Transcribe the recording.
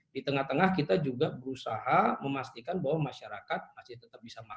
di tengah tengah kita juga berusaha memastikan bahwa masyarakat masih tetap bisa makan